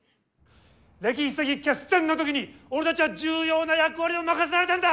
歴史的決戦の時に俺たちは重要な役割を任せられたんだ！